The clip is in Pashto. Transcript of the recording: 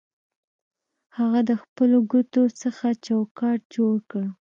هغه د خپلو ګوتو څخه چوکاټ جوړ کړ